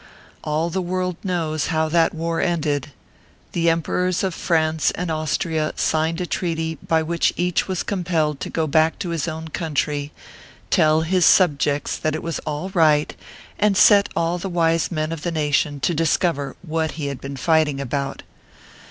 All the world knows how that war ended. The emperors of France and Austria signed a treaty by which each was compelled to go back to his own country, tell his subjects that it was " all right/ and set all the wise men of the nation to discover what he had been righting about.